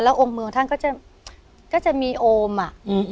แล้วองค์มือองค์ท่านก็จะก็จะมีโอมอ่ะอืมอืม